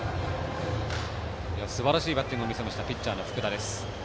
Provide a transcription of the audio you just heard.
すばらしいバッティングを見せましたピッチャーの福田です。